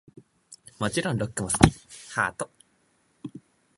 もちろんロックも大好き♡